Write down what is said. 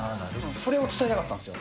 それを伝えたかったんですよ。